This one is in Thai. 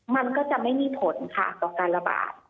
มันก็จะไม่มีผลค่ะต่อการระบาด